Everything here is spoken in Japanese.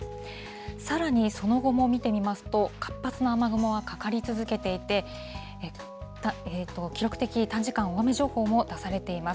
さらにその後も見てみますと、活発な雨雲がかかり続けていて、記録的短時間大雨情報も出されています。